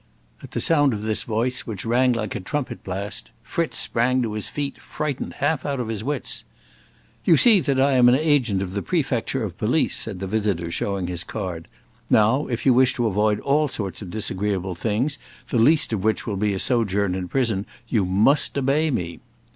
At the sound of this voice, which rang like a trumpet blast, Fritz sprang to his feet, frightened half out of his wits. "You see that I am an agent of the Prefecture of Police," said the visitor, showing his card. "Now, if you wish to avoid all sorts of disagreeable things, the least of which will be a sojourn in prison, you must obey me."